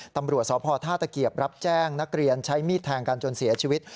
ตำรวจสพท่าตะเกียบรับแจ้งนักเรียนใช้มีดแทงกันจนเสียชีวิต